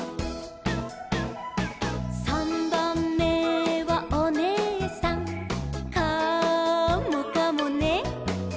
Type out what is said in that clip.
「さんばんめはおねえさん」「カモかもね」